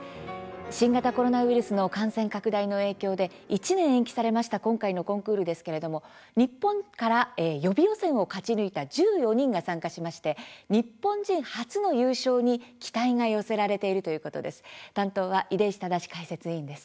新型コロナウイルスの感染拡大の影響で１年延期された今回のコンクールですが日本から予備予選を勝ち抜いた１４人が参加し日本人初の優勝に期待が寄せられています。